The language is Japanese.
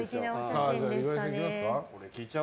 岩井さん、いきますか。